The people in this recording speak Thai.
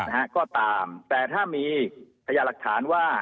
นะฮะก็ตามแต่ถ้ามีพยาหลักฐานว่า